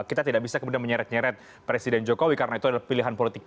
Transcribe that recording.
ini kita melihatnya bagaimana prof